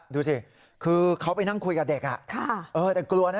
ดูสิคือเขาไปนั่งคุยกับเด็กแต่กลัวนะ